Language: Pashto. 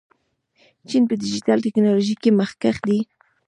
چین په ډیجیټل تکنالوژۍ کې مخکښ دی.